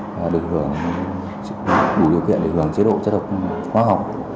và được hưởng đủ điều kiện để hưởng chế độ chất độc khoa học